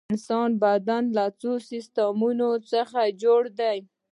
د انسان بدن له څو سیستمونو څخه جوړ دی